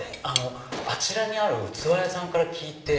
あちらにある器屋さんから聞いて。